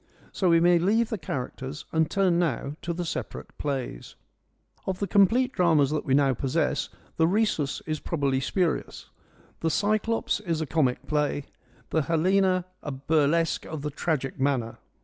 So we may leave the characters and turn now to the separate plays. Of the complete dramas that we now possess, the Rhesus is probably spurious, the Cyclops is a comic play, the Helena is a burlesque of the tragic manner.